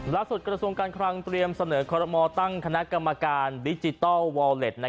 กระทรวงการคลังเตรียมเสนอคอรมอตั้งคณะกรรมการดิจิทัลวอลเล็ต